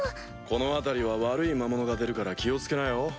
この辺りは悪い魔物が出るから気を付けなよ。